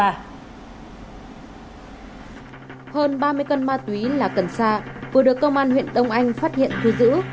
hơn ba mươi cân ma túy là cần sa vừa được công an huyện đông anh phát hiện thu giữ